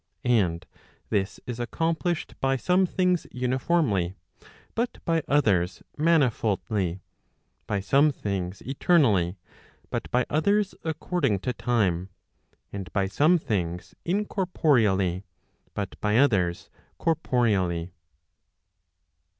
And this is accomplished by some things uniformly, but by others mani¬ foldly ; by some things eternally, but by others according to time; and by some things incorporeally, but by others corporeally.